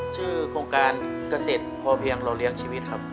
ชื่อโครงการเกษตรพอเพียงเราเลี้ยงชีวิตครับ